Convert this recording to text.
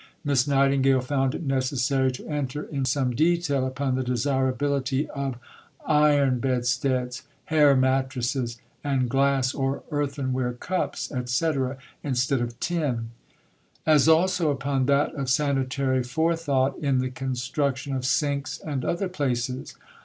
Miss Nightingale found it necessary to enter in some detail upon the desirability of iron bedsteads, hair mattresses, and glass or earthenware cups, etc. (instead of tin); as also upon that of sanitary forethought in the construction of sinks and other places.